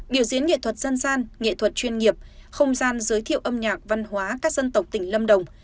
biểu diễn nghệ thuật dân gian nghệ thuật chuyên nghiệp không gian giới thiệu âm nhạc văn hóa các dân tộc tỉnh lâm đồng